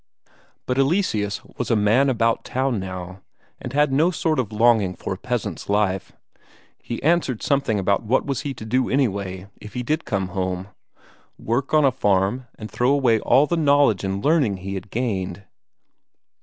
But Eleseus was a man about town now, and had no sort of longing for a peasant's life; he answered something about what was he to do anyway if he did come home? Work on a farm and throw away all the knowledge and learning he had gained?